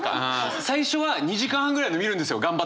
最初は２時間半ぐらいの見るんですよ頑張って。